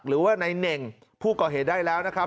หรือว่าในเน่งผู้ก่อเหตุได้แล้วนะครับ